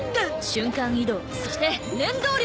瞬間移動そして念動力！